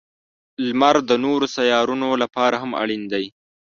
• لمر د نورو سیارونو لپاره هم اړین دی.